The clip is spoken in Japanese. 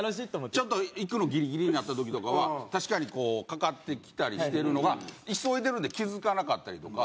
ちょっと行くのギリギリになった時とかは確かにこうかかってきたりしてるのが急いでるんで気付かなかったりとか。